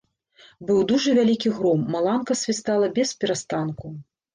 Быў дужа вялікі гром, маланка свістала бесперастанку.